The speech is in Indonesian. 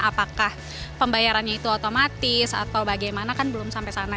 apakah pembayarannya itu otomatis atau bagaimana kan belum sampai sana